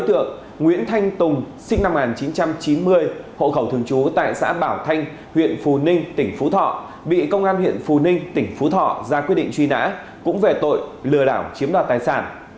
sinh năm một nghìn chín trăm chín mươi hộ khẩu thường trú tại xã bảo thanh huyện phù ninh tỉnh phú thọ bị công an huyện phù ninh tỉnh phú thọ ra quyết định truy nã cũng về tội lừa đảo chiếm đoạt tài sản